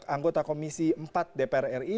anggota komisi empat dpr ri